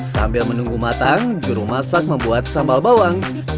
sambil menunggu matang juru masak membuat sambal bawang